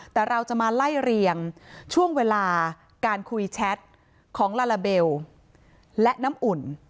แต่เราจะมาไล่เรียงช่วงเวลาการคุยแชทของลาลาเบลและน้ำอุ่น